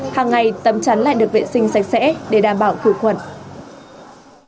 hàng ngày tấm chắn lại được vệ sinh sạch sẽ để đảm bảo khử khuẩn